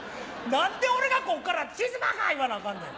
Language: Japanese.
何で俺がこっからチーズバーガー言わなあかんねん。